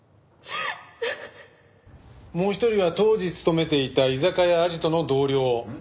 もう一人は当時勤めていた居酒屋あじとの同僚